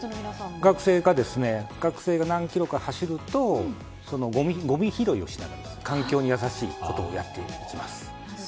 学生が何キロか走るとごみ拾いをしながら環境に優しいことをやっていたりします。